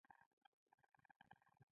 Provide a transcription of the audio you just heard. يولسمه برخه